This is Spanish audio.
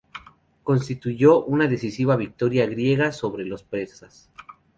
Constituyó una decisiva victoria griega sobre los persas.